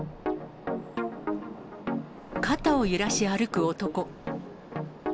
肩を揺らし、歩く男。